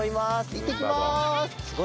いってきます！